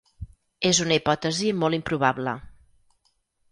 És una hipòtesi molt improbable.